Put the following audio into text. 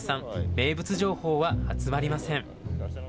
名物情報は集まりません。